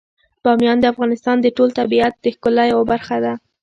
بامیان د افغانستان د ټول طبیعت د ښکلا یوه برخه ده.